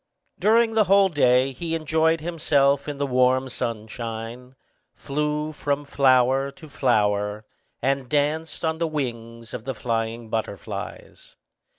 During the whole day he enjoyed himself in the warm sunshine, flew from flower to flower, and danced on the wings of the flying butterflies.